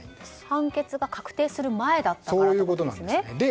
判決が確定する前だったからですね。